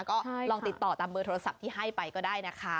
ก็ลองติดต่อตามเบอร์โทรศัพท์ที่ให้ไปก็ได้นะคะ